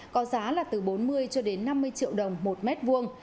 có giá từ bốn mươi năm mươi triệu đồng một mét vuông